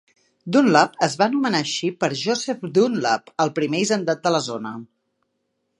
Dunlap es va anomenar així per Joseph Dunlap, el primer hisendat de la zona.